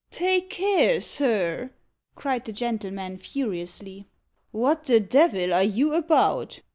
"Take care, sir!" cried the gentleman furiously. "What the devil are you about?"